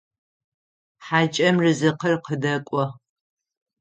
Хьакӏэм рызыкъыр къыдэкӏо.